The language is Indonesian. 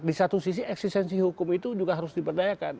di satu sisi eksistensi hukum itu juga harus diperdayakan